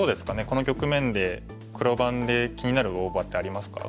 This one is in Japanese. この局面で黒番で気になる大場ってありますか？